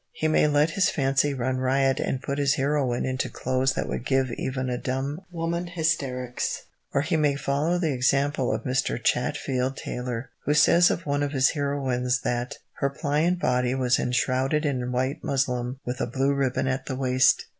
He may let his fancy run riot and put his heroine into clothes that would give even a dumb woman hysterics, or he may follow the example of Mr. Chatfield Taylor, who says of one of his heroines that "her pliant body was enshrouded in white muslin with a blue ribbon at the waist."